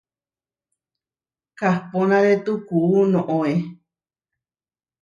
Kahponarétu kuú noóe.